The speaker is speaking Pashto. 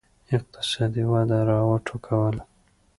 اقتصادي وده را وټوکول.